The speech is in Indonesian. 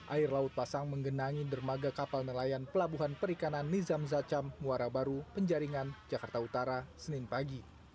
air laut pasang menggenangi dermaga kapal nelayan pelabuhan perikanan nizam zacam muara baru penjaringan jakarta utara senin pagi